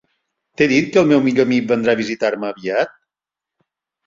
T'he dit que el meu millor amic vindrà a visitar-me aviat?